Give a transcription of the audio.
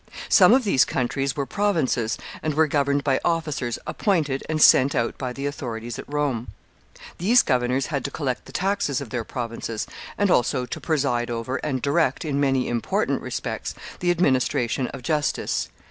Some of these countries were provinces, and were governed by officers appointed and sent out by the authorities at Rome. These governors had to collect the taxes of their provinces, and also to preside over and direct, in many important respects, the administration of justice.